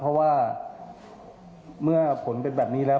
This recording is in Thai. เพราะว่าเมื่อผลเป็นแบบนี้แล้ว